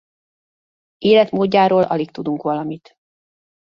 Életmódjáról alig tudunk valamit.